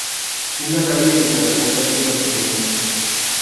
Una calle de Zaragoza lleva su nombre.